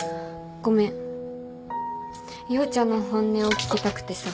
陽ちゃんの本音を聞きたくてさ。